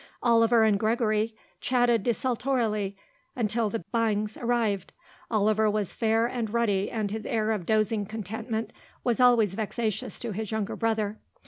Oliver and Gregory chatted desultorily until the Byngs arrived. Oliver was fair and ruddy and his air of dozing contentment was always vexatious to his younger brother.